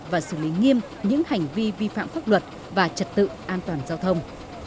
và xử lý nghiêm những hành vi vi phạm pháp luật và trật tự an toàn giao thông